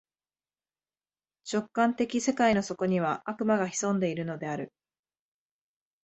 直観的世界の底には、悪魔が潜んでいるのである。